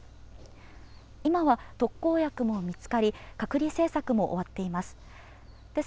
今は特効薬も見つかり、隔離政策も終わっています。